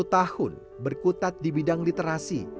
dua puluh tahun berkutat di bidang literasi